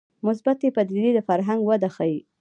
مثبتې پدیدې د فرهنګ وده ښيي